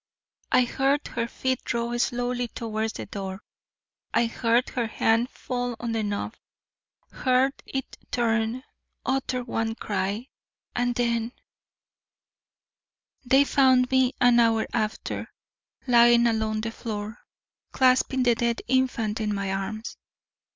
I heard her feet draw slowly towards the door, I heard her hand fall on the knob, heard it turn, uttered one cry, and then They found me an hour after, lying along the floor, clasping the dead infant in my arms.